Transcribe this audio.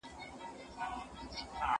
پر دوی ئې د هلاکت پرته بل څه زيات نکړل.